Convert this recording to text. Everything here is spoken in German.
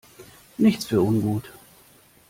Nichts für ungut!